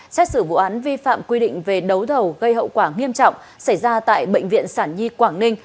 xét xử vụ án vi phạm quy định về đấu thầu gây hậu quả nghiêm trọng xảy ra tại bệnh viện sản nhi quảng ninh